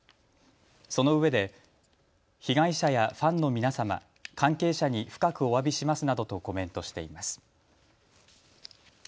そのうえで被害者やファンの皆様、関係者に深くおわびしますなどとコメントしています。